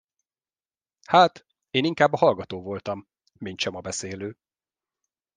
Hát, én inkább a hallgató voltam, mintsem a beszélő.